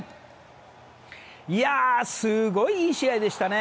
すごいいい試合でしたね。